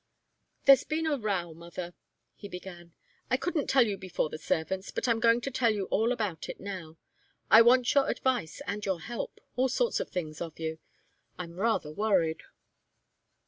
"There's been a row, mother," he began. "I couldn't tell you before the servants, but I'm going to tell you all about it now. I want your advice and your help all sorts of things of you. I'm rather worried."